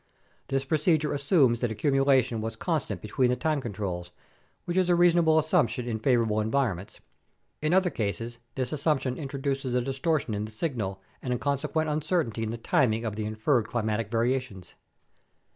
This procedure assumes that accumulation was con stant between the time controls, which is a reasonable assumption in favorable environments. In other cases this assumption introduces a distortion in the signal and a consequent uncertainty in the timing of the inferred climatic variations.